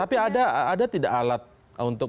tapi ada tidak alat untuk